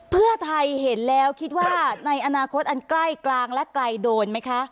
เพื่อไทยเห็นแล้วคิดว่าในอนาคตอันใกล้กลางและไกลโดนไหมคะ